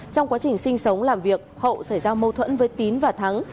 trong quá trình sinh sống làm việc hậu xảy ra mâu thuẫn với tín và thắng